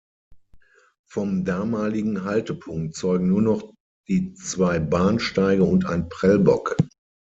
Vom damaligen Haltepunkt zeugen nur noch die zwei Bahnsteige und ein Prellbock.